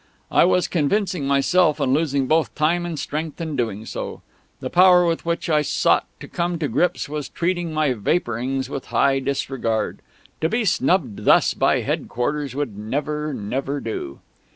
I was convincing myself, and losing both time and strength in doing so. The Power with which I sought to come to grips was treating my vapourings with high disregard. To be snubbed thus by Headquarters would never, never do....